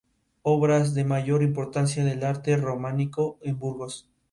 Se considera una de las obras de mayor importancia del arte románico en Burgos.